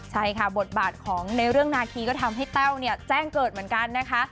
ใช่ค่ะบทบาทของในเรื่องนาคีก็ทำให้แต้วเนี่ยแจ้งเกิดเหมือนกันนะคะ